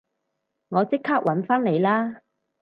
我即刻搵返你啦